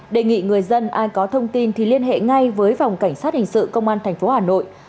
đề nghị người dân ai có thông tin thì liên hệ ngay với phòng cảnh sát hình sự công an tp hà nội